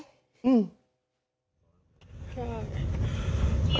ใช่